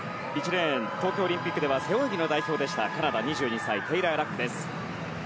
１レーン、東京オリンピックでは背泳ぎの代表でしたカナダ、２２歳テイラー・ラックです。